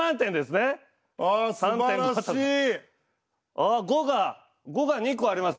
ああ５が５が２個あります。